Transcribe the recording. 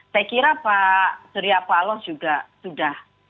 saya kira pak surya paloh juga sudah